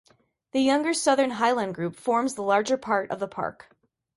The younger Southern Highland Group forms the larger part of the park.